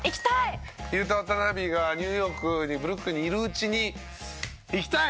ユウタ・ワタナベがニューヨークにブルックリンにいるうちに行きたい！